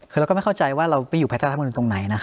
คือเราก็ไม่เข้าใจว่าเราไม่อยู่ภายใต้น้ำนวลตรงไหน